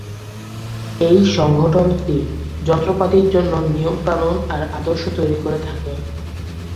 এই সংগঠনটি যন্ত্রপাতির জন্যে নিয়ম-কানুন আর আদর্শ তৈরি করে থাকে।